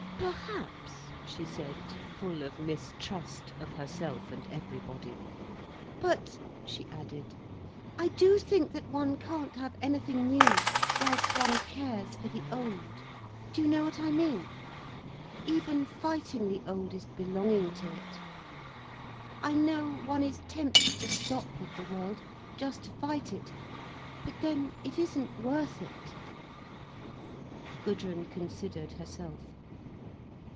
"Perhaps," she said, full of mistrust, of herself and everybody. "But," she added, "I do think that one can't have anything new whilst one cares for the old—do you know what I mean?—even fighting the old is belonging to it. I know, one is tempted to stop with the world, just to fight it. But then it isn't worth it." Gudrun considered herself.